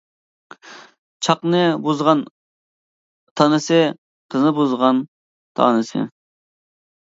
چاقنى بۇزغان تانىسى، قىزنى بۇزغان تانىسى.